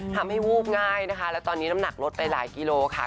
วูบง่ายนะคะและตอนนี้น้ำหนักลดไปหลายกิโลค่ะ